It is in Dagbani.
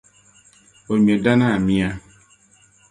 O ŋme Danaa mia.